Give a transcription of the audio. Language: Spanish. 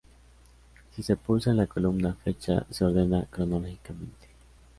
Si se pulsa en la columna "Fecha", se ordena cronológicamente.